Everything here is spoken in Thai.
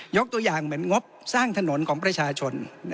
ตัวอย่างเหมือนงบสร้างถนนของประชาชน